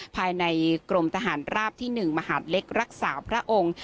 ผ่านกลมทหารราบที่หนึ่งมหาลเกอร์เล็กรักษาพระองค์